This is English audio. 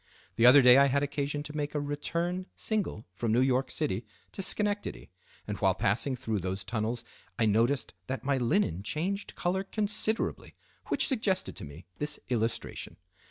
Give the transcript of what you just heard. The other day I had occasion to take a return single from New York City to Schenectady; and while passing through those tunnels I noticed that my linen changed color considerably, which suggested to me this illustration.